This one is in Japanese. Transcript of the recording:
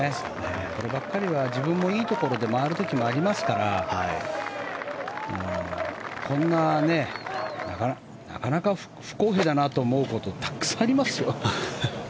こればっかりは自分もいいところで回る時もありますからこんななかなか不公平だなと思うことたくさんありますよ。